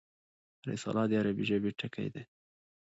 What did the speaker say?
رساله د عربي ژبي ټکی دﺉ.